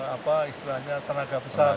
apa istilahnya tenaga besar